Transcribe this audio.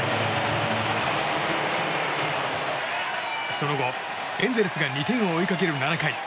その後、エンゼルスが２点を追いかける７回。